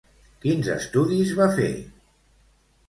Quins estudis va fer?